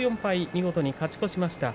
見事に勝ち越しました。